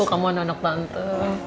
aduh kamu anak anak tante